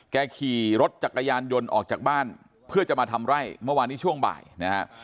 ขี่รถจักรยานยนต์ออกจากบ้านเพื่อจะมาทำไร่เมื่อวานนี้ช่วงบ่ายนะฮะ